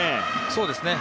そうですね。